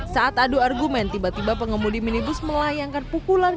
saat adu argumen tiba tiba pengemudi minibus melayangkan pukulan